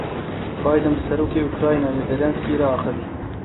Biden bi Serokê Ukraynayê Zelenskiy re axivî.